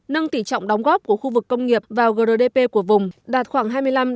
nâng tỉ trọng đóng góp của khu vực công nghiệp vào gdp của vùng đạt khoảng hai mươi năm ba mươi năm